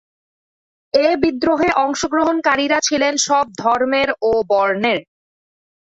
এ বিদ্রোহে অংশগ্রহণকারীরা ছিলেন সব ধর্মের ও বর্ণের।